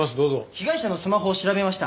被害者のスマホを調べました。